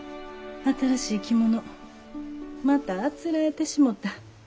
新しい着物またあつらえてしもた。